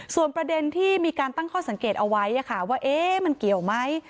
ส่วนประเด็นที่มีการตั้งข้อสังเกตเอาไว้ว่ามันเกี่ยวไหม